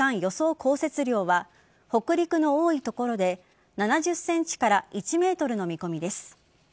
降雪量は北陸の多い所で７０ｃｍから１ｍの見込みです。